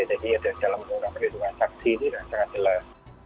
jadi dari dalam undang undang perlindungan saksi itu dengan sangat jelas